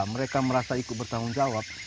mereka merasa ikut bertanggung jawab